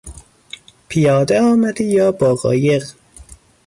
پیاده آمدی یا با قایق؟